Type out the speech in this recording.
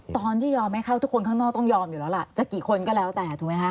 ตอนที่ยอมให้เข้าทุกคนข้างนอกต้องยอมอยู่แล้วล่ะจะกี่คนก็แล้วแต่ถูกไหมคะ